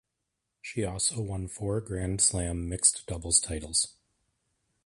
She also won four Grand Slam mixed doubles titles.